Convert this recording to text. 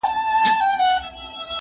زه له سهاره مېوې راټولوم